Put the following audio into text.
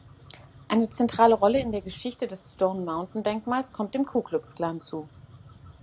Eine zentrale Rolle in der Geschichte des Stone Mountain-Denkmals kommt dem Ku-Klux-Klan zu.